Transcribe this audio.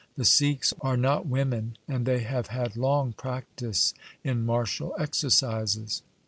The Sikhs are not women, and they have had long practice in martial exercises.'